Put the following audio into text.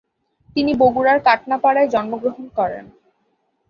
তিনি বগুড়ার কাটনাপাড়ায় জন্মগ্রহণ করেন।